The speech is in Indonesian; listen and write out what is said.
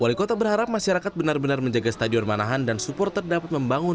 wali kota berharap masyarakat benar benar menjaga stadion manahan dan supporter dapat membangun